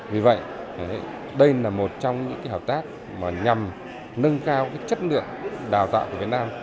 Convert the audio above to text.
vì vậy đây là một trong những hợp tác nhằm nâng cao chất lượng đào tạo của việt nam